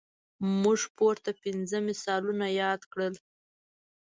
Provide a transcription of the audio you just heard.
موږ پورته پنځه مثالونه یاد کړل.